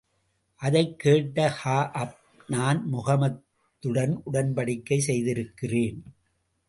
அதைக் கேட்ட கஅப், நான் முஹம்மதுடன் உடன்படிக்கை செய்திருக்கிறேன்.